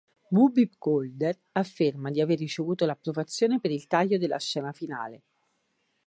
Whoopi Goldberg afferma di aver ricevuto l'approvazione per il taglio della scena finale.